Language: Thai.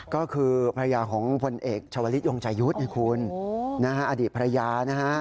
ก็คือภรรยาของคนเอกชวริชยงจายุทธ์คุณอดีตภรรยา